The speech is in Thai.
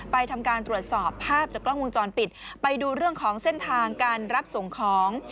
ทำการตรวจสอบภาพจากกล้องวงจรปิดไปดูเรื่องของเส้นทางการรับส่งของ